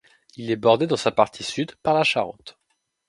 Il est bordé, dans sa partie sud, par la Charente.